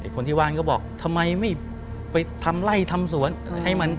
คนที่ว่านก็บอกทำไมไม่ไปทำไล่ทำสวนให้มัน